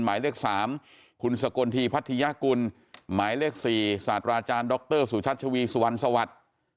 หมายเลข๓คุณสกลทีพัทยากุลหมายเลข๔ศาสตราอาจารย์ดรสุชัชวีสุวรรณสวัสดิ์